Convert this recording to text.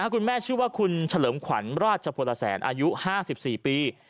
คุณแม่ชื่อว่าคุณเฉลิมขวัญราชพลแสนอายุ๕๔ปี